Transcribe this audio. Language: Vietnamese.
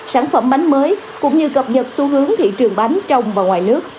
sản phẩm bánh mới cũng như cập nhật xu hướng thị trường bánh trong và ngoài nước